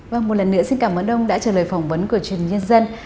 vâng một lần nữa xin cảm ơn ông đã trả lời phỏng vấn của truyền nhân dân